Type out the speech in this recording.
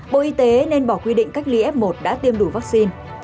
bộ y tế nên bỏ quy định cách ly f một đã tiêm đủ vaccine